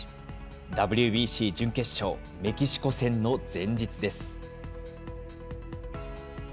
ＷＢＣ準決勝、メキシコ戦の前日です。